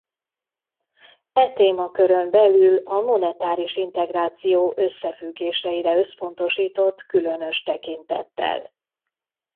E témakörön belül a monetáris integráció összefüggéseire összpontosított különös tekintettel.